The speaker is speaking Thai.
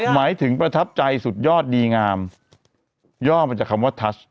ตาชทหมายถึงประทับใจสุดยอดดีงามย่อมจะคำว่าตาช์